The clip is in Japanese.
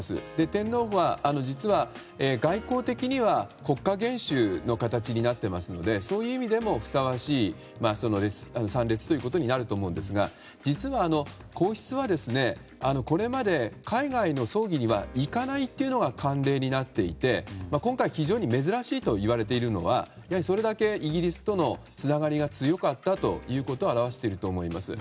天皇は、実は外交的には国家元首の形になっていますのでそういう意味でも、ふさわしい参列となると思うんですが実は、皇室はこれまで海外の葬儀には行かないというのが慣例になっていて今回、非常に珍しいといわれているのはそれだけイギリスとのつながりが強かったということを表していると思います。